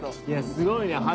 いやすごいね。